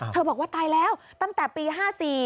บอกว่าตายแล้วตั้งแต่ปี๕๔